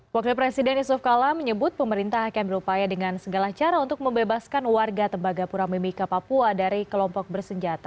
wakil presiden yusuf kala menyebut pemerintah akan berupaya dengan segala cara untuk membebaskan warga tembagapura mimika papua dari kelompok bersenjata